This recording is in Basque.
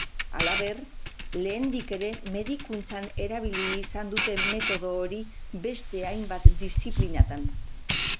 Halaber, lehendik ere medikuntzan erabili izan dute metodo hori beste hainbat diziplinatan.